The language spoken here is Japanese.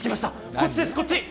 こっちです、こっち。